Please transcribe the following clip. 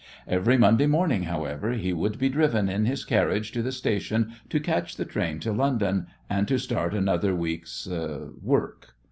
Every Monday morning, however, he would be driven in his carriage to the station to catch the train to London, and to start another week's "work."